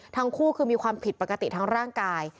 ทั้งคู่คือมีความผิดปกติทางร่างกาย